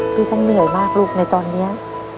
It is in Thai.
ที่ท่านเหนื่อยมากลูกในตอนนี้